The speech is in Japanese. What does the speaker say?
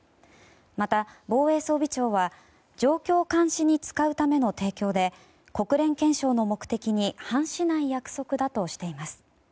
また、防衛装備庁は状況監視に使うための提供で国連憲章の目的に反しない約束だとしています。